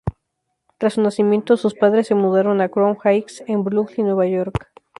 Tras su nacimiento, sus padres se mudaron a Crown Heights, en Brooklyn, Nueva York.